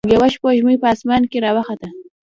یوه سپوږمۍ په اسمان کې راوخته.